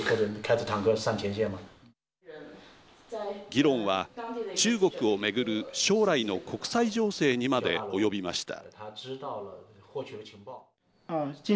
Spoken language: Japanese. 議論は中国をめぐる将来の国際情勢にまで及びました。